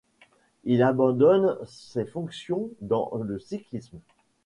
Il abandonne ses fonctions dans le cyclisme.